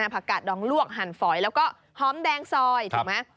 ผักกาดดองลวกหั่นฝอยแล้วก็หอมแดงซอยถูกไหม